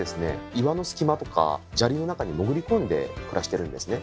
岩の隙間とか砂利の中に潜り込んで暮らしてるんですね。